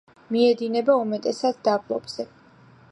მიედინება უმეტესად დაბლობზე.